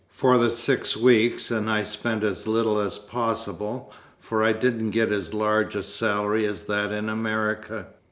for the six weeks, and I spent as little as possible; for I didn't get as large a salary as that in America.